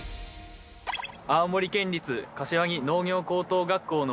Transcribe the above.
青森県立柏木農業高等学校の。